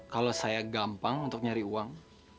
kalau saya gampang untuk nyari uang